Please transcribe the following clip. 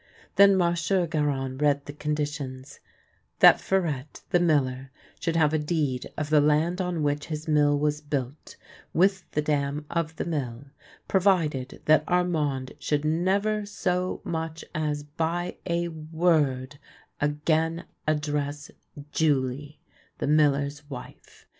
Then Mon sieur Garon read the conditions : That Farette, the miller, should have a deed of the land on which his mill was built, with the dam of the mill — provided that Armand should never so much as by a word again address Julie, the miller's wife.